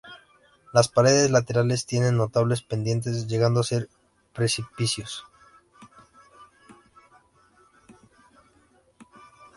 Las paredes laterales tienen notables pendientes, llegando a ser precipicios.